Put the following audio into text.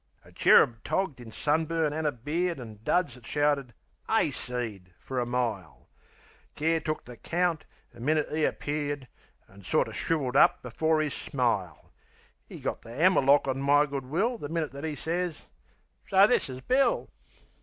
A cherub togged in sunburn an' a beard An' duds that shouted "'Ayseed!" fer a mile: Care took the count the minute 'e appeared, An' sorter shrivelled up before 'is smile, 'E got the 'ammer lock on my good will The minute that 'e sez, "So, this is Bill."